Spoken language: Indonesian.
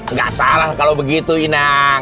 nggak salah kalau begitu inang